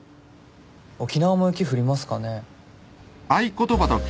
沖縄も雪降りますかね？